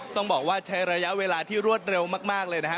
ต้องบอกว่าใช้ระยะเวลาที่รวดเร็วมากเลยนะฮะ